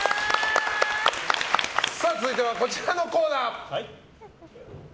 続いてはこちらのコーナー。